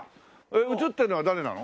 写ってるのは誰なの？